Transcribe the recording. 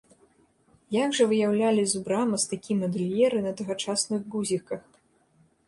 Як жа выяўлялі зубра мастакі-мадэльеры на тагачасных гузіках?